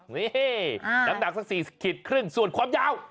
นี่น้ำหนักสัก๔ขีดครึ่งส่วนความยาว